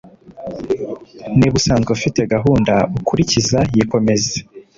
niba usanzwe ufite gahunda ukurikiza yikomeze